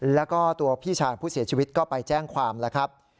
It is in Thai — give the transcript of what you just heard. แล้วก็ตัวพี่ชายผู้เสียชีวิตก็ไปแจ้งความแล้วครับ